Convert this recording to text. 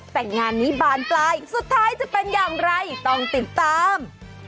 แต่งานนี้บานปลายสุดท้ายจะเป็นอย่างไรต้องติดตาม